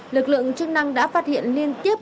lực lượng chức năng đã phát hiện liên tiếp